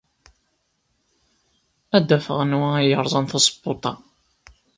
Ad d-afeɣ anwa ay yerẓan tazewwut-a.